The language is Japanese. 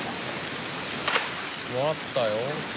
割ったよ。